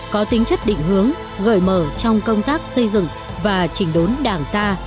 có tính chất định hướng gợi mở trong công tác xây dựng và chỉnh đốn đảng ta